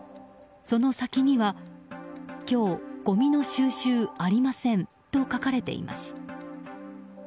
その先には「今日ごみの収集ありません」と書かれています。